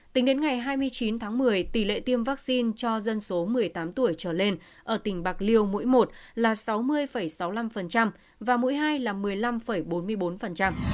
tính đến ngày hai mươi chín tháng một mươi tỷ lệ tiêm vaccine cho dân số một mươi tám tuổi trở lên ở tỉnh bạc liêu mũi một là sáu mươi sáu mươi năm và mũi hai là một mươi năm bốn mươi bốn